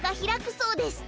そうです。